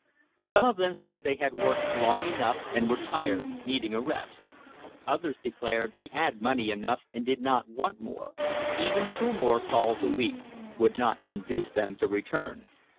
Some of them said they had worked long enough and were tired, needing a rest. Others declared they had money enough and did not want more. Even two more sols a week would not induce them to return.